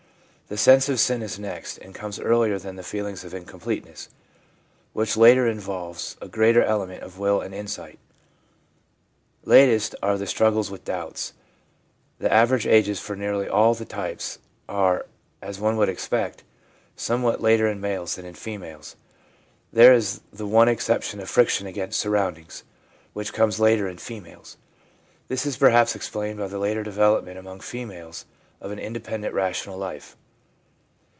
The sense of sin is next, and comes earlier than the feeling of incompleteness, which latter involves a greater element of will and of insight. Latest are the struggles with doubts. The average ages for nearly all the types are, as one would expect, somewhat later in males than in females. There is the one exception of friction against surroundings, which comes later in females ; this is perhaps explained by the later develop ment among females of an independent rational life.